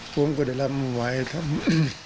คุณก็ได้รับมือไว้ครับ